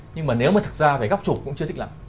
nhưng mà nếu mà thực ra về góc chụp cũng chưa thích lắm